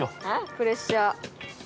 プレッシャー。